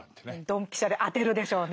ドンピシャで当てるでしょうね。